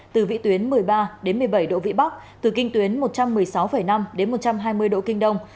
từ vị tuyến một mươi ba đến một mươi bảy độ vị bắc từ kinh tuyến một trăm một mươi sáu năm đến một trăm hai mươi độ kinh đông